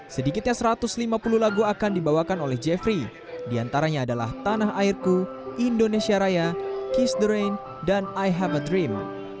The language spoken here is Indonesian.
sedikitnya satu ratus lima puluh lagu akan dibawakan oleh jeffrey diantaranya adalah tanah airku indonesia raya kis the rain dan i have a dream